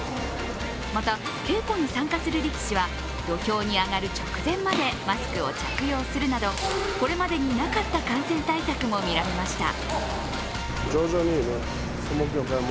また、稽古に参加する力士は土俵に上がる直前までマスクを着用するなどこれまでになかった感染対策もみられました。